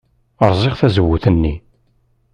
Rẓiɣ tazewwut-nni.